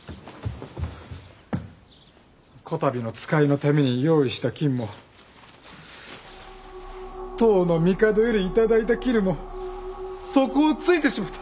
こたびの使いのために用意した金も唐の帝より頂いた絹も底をついてしもうた！